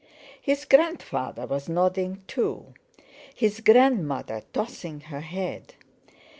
His grandfather was nodding too, his grandmother tossing her head.